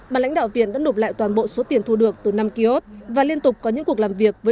mà lãnh đạo viện đã nộp lại toàn bộ số tiền thu được từ năm ký ốt và liên tục có những cuộc làm việc với